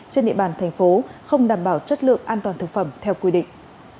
trên địa bàn thành phố không đảm bảo chất lượng an toàn thực phẩm theo quy định